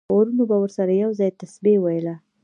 غرونو به ورسره یو ځای تسبیح ویله.